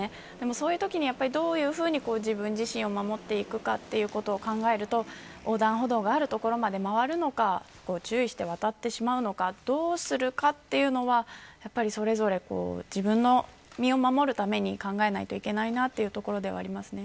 そういうときに、どういうふうに自分を守っていくということを考えると、横断歩道がある所まで回るのか注意して渡ってしまうのかどうするかというのは、それぞれ自分の身を守るために考えないといけないなというところではありますね。